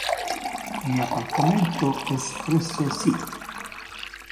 Mi appartamento es presso ci.